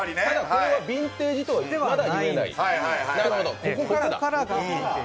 これはヴィンテージとはまだ言えない。